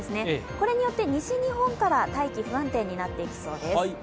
これによって西日本から大気が不安定になっていきます。